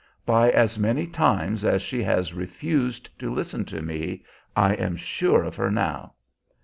By as many times as she has refused to listen to me, I am sure of her now.'